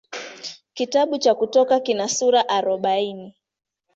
Kitabu cha Kutoka kina sura arobaini.